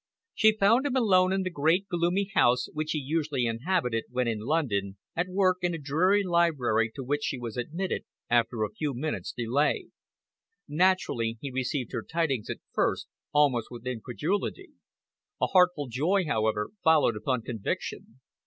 She found him alone in the great, gloomy house which he usually inhabited when in London, at work in a dreary library to which she was admitted after a few minutes' delay. Naturally, he received her tidings at first almost with incredulity. A heartfelt joy, however, followed upon conviction.